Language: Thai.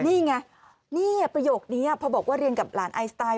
นี่ไงนี่ประโยคนี้พอบอกว่าเรียนกับหลานไอสไตล์